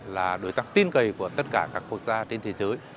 là đối tác tin cậy của tất cả các quốc gia trên thế giới